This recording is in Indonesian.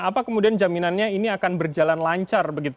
apa kemudian jaminannya ini akan berjalan lancar begitu